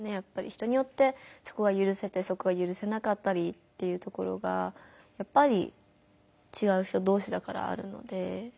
人によってそこはゆるせたりそこはゆるせなかったりというところがやっぱりちがう人同士だからあるので。